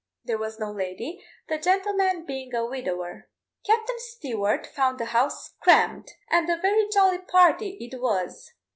There was no lady, the gentleman being a widower. Captain Stewart found the house crammed, and a very jolly party it was.